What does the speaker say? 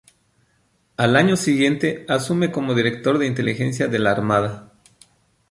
Al año siguiente asume como Director de Inteligencia de la Armada.